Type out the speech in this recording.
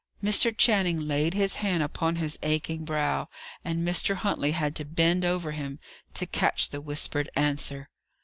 Mr. Channing laid his hand upon his aching brow, and Mr. Huntley had to bend over him to catch the whispered answer.